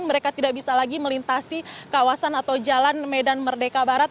mereka tidak bisa lagi melintasi kawasan atau jalan medan merdeka barat